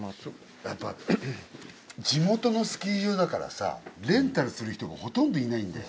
やっぱ地元のスキー場だからさレンタルする人がほとんどいないんだよ。